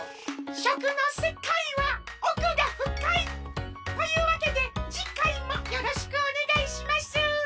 しょくのせかいはおくがふかい！というわけでじかいもよろしくおねがいします！